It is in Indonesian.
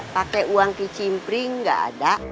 pakai uang kicimpring nggak ada